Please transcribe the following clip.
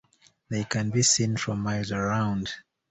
They can be seen from miles around.